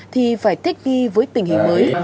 thì phải thích nghi với tình hình mới